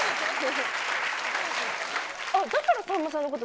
だからさんまさんのこと好きなのか。